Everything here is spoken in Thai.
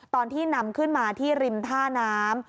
ตอนที่นำขึ้นมาที่ริมท่าน้ำ